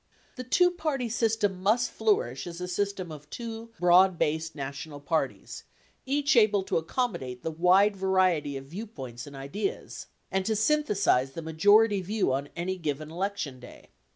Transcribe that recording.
The two party system must flourish as a system of two broad based national parties, each able to accommodate the wide variety of view points and ideas and to synthesize the majority view on any given elec tion day.